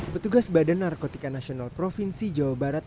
petugas badan narkotika nasional provinsi jawa barat